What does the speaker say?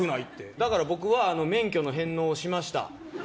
だから僕は免許の返納をしました。